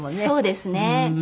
そうですね。